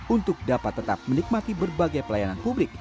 untuk dapat tetap menikmati berbagai pelayanan publik